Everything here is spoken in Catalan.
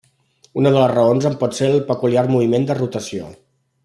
Una de les raons en pot ser el peculiar moviment de rotació.